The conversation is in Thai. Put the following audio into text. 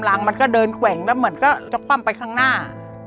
มันก็เดินแกว่งแล้วเหมือนก็จะคว่ำไปข้างหน้า